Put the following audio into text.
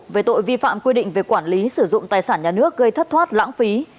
về tội vi phạm quy định về quản lý sử dụng tài sản nhà nước gây thất thoát lãng phí